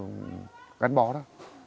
gắn bó đó